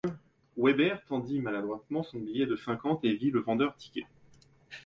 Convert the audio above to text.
Weber tendit maladroitement son billet de cinquante et vit le vendeur tiquer.